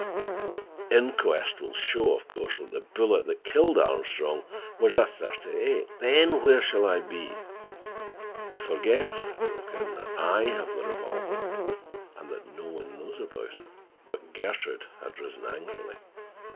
The inquest will show, of course, that the bullet that killed Armstrong was a thirty eight. Then where shall I be?" "You forget," I broke in, "that I have the revolver, and that no one knows about it." But Gertrude had risen angrily.